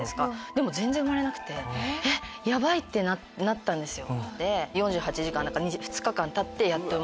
でも全然産まれなくてヤバい！ってなったんですよ。